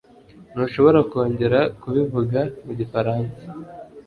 Ntushobora kongera kubivuga mu gifaransa?